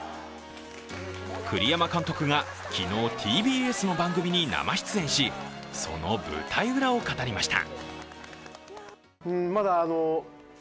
栗山監督が昨日、ＴＢＳの番組に生出演しその舞台裏を語りました。